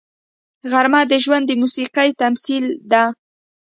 غرمه د ژوند د موسیقۍ تمثیل ده